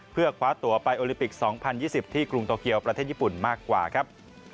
เพื่อคว้าตัวไปโอลิปิก๒๐๒๐ที่กรุงโตเกียวประเทศญี่ปุ่นมากกว่าครับ